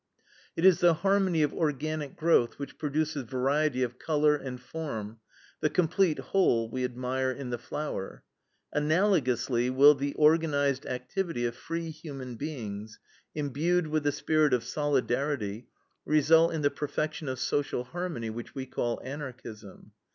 "It is the harmony of organic growth which produces variety of color and form, the complete whole we admire in the flower. Analogously will the organized activity of free human beings, imbued with the spirit of solidarity, result in the perfection of social harmony, which we call Anarchism.